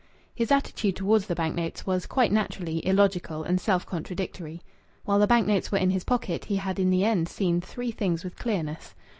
His attitude towards the bank notes was, quite naturally, illogical and self contradictory. While the bank notes were in his pocket he had in the end seen three things with clearness.